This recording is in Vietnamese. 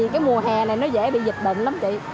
cái mùa hè này nó dễ bị dịch bệnh lắm chị